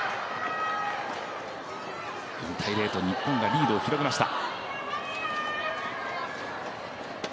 ４−０と日本がリードを広げました。